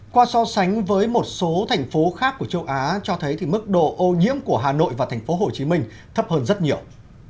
qua so sánh với một số thành phố khác của châu á cho thấy mức độ ô nhiễm của hà nội và thành phố hồ chí minh thấp hơn rất nhiều